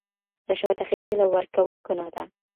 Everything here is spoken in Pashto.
رشوت اخيستل او ورکول ګناه ده.